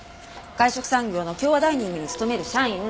外食産業の京和ダイニングに勤める社員。